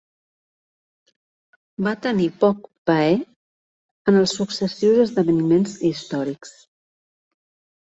Va tenir poc paer en els successius esdeveniments històrics.